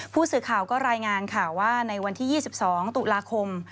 ผู้สื่อข่าวก็รายงานข่าวว่าในวันที่๒๒ตุลาคม